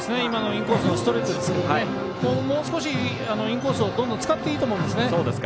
インコースのストレートですがもう少しインコースをどんどん使っていいと思うんですね。